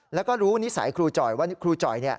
แล้วก็รู้นิสัยครูจ่อยว่าครูจ่อย